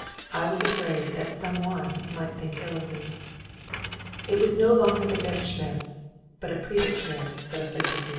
I was afraid that some one might think ill of me. It was no longer the Weltschmerz, but a Privatschmerz, that afflicted me.